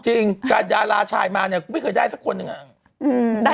การดาราชายมาเนี่ยกูไม่เคยได้สักคนหนึ่งอะ